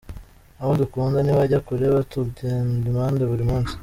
Abo dukunda ntibajya kure, batugenda impande buri munsi.